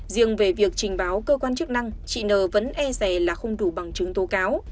riêng về việc trình báo cơ quan chức năng chị nờ vẫn e giày là không đủ bằng chứng tố cáo